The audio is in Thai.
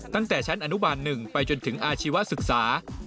ตั้งแต่ชั้นอนุบาล๑ไปจนถึงอาชีวศึกษา